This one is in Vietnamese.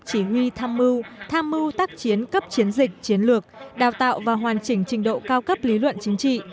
chỉ huy tham mưu tham mưu tác chiến cấp chiến dịch chiến lược đào tạo và hoàn chỉnh trình độ cao cấp lý luận chính trị